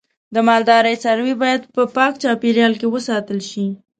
د مالدارۍ څاروی باید په پاک چاپیریال کې وساتل شي.